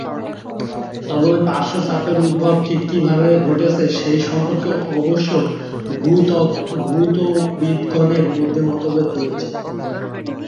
তবে এই পার্শ্ব চাপের উদ্ভব ঠিক কিভাবে ঘটেছে সেই সম্পর্কে অবশ্য ভূ-ত্ত্ববিদগণের মধ্যে মতভেদ রয়েছে।